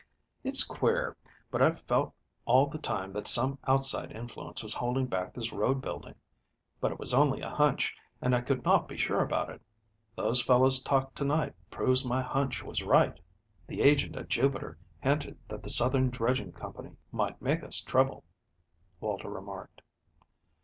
"It's queer, but I've felt all the time that some outside influence was holding back this road building, but it was only a hunch, and I could not be sure about it. Those fellows' talk to night proves my hunch was right." "The agent at Jupiter hinted that the Southern Dredging Co. might make us trouble," Walter remarked.